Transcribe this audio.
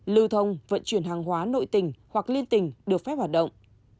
lưu thông vận chuyển hàng hóa nội tình hoặc liên tình được phép hoạt động